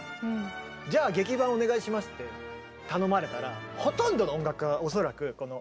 じゃあ劇伴お願いしますって頼まれたらほとんどの音楽家が恐らくこの。